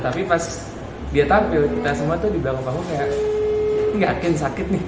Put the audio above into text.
tapi pas dia tampil kita semua tuh di bangun bangun kayak ini gak yakin sakit nih